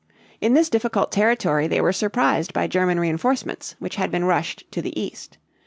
In this difficult territory they were surprised by German reinforcements which had been rushed to the east.